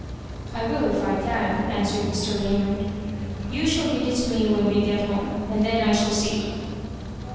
"I will if I can," answered Mr. Raymond. "You shall read it to me when we get home, and then I shall see."